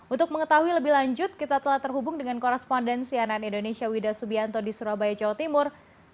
untuk mengetahui lebih lanjut kita telah terhubung dengan korespondensi anan indonesia wida subianto di surabaya jawa timur